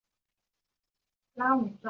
阿尔赞。